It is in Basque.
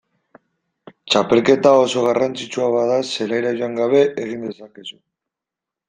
Txapelketa oso garrantzitsua bada zelaira joan gabe egin dezakezu.